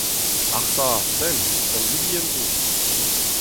Arsa ! Sell ! Ur silienn-vor !